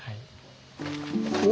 お？